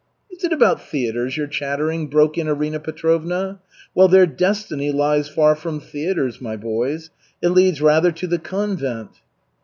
"Is it about theatres you're chattering?" broke in Arina Petrovna. "Well, their destiny lies far from theatres, my boys. It leads rather to the convent."